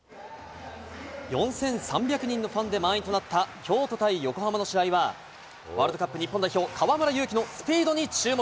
４３００人のファンで満員となった京都対横浜の試合は、ワールドカップ日本代表、河村勇輝のスピードに注目。